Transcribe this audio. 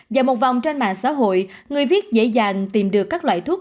dạo một vòng trên mạng xã hội người viết dễ dàng tìm được các loại thuốc